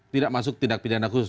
tidak masuk tindak pidana khusus